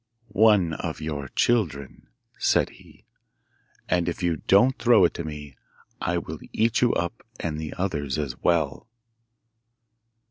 'One of your children,' said he; 'and if you don't throw it to me I will eat up you and the others as well.